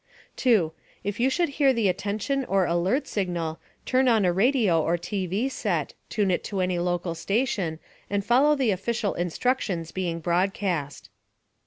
2. If you should hear the Attention or Alert Signal, turn on a radio or TV set, tune it to any local station, and follow the official instructions being broadcast.